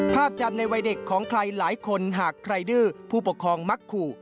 จำในวัยเด็กของใครหลายคนหากใครดื้อผู้ปกครองมักขู่